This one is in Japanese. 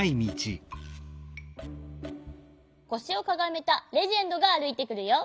こしをかがめたレジェンドがあるいてくるよ。